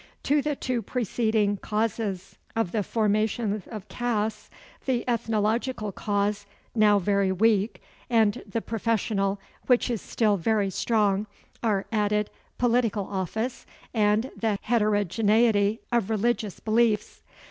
To the two preceding causes of the formations of castes, the ethnological cause, now very weak, and the professional, which is still very strong, are added political office, and the heterogeneity of religious beliefs.